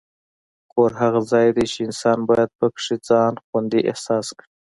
کور هغه ځای دی چې انسان باید پکې ځان خوندي احساس کړي.